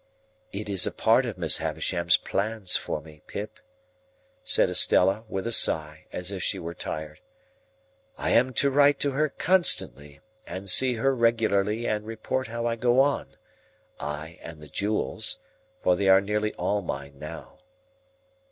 "It is a part of Miss Havisham's plans for me, Pip," said Estella, with a sigh, as if she were tired; "I am to write to her constantly and see her regularly and report how I go on,—I and the jewels,—for they are nearly all mine now."